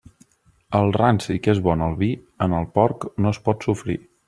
El ranci que és bo en el vi, en el porc no es pot sofrir.